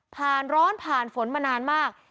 ร้อนผ่านฝนมานานมาก